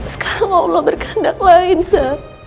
sekarang allah berkandang lain sa